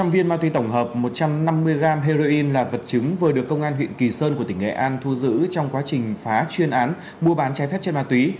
một mươi viên ma túy tổng hợp một trăm năm mươi gram heroin là vật chứng vừa được công an huyện kỳ sơn của tỉnh nghệ an thu giữ trong quá trình phá chuyên án mua bán trái phép trên ma túy